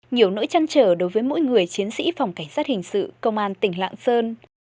nhiều nỗi chăn trở đối với mỗi người chiến sĩ phòng cảnh sát hình sự công an tỉnh lạng sơn